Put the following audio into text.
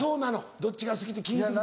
どっちが好きって聞いて来た。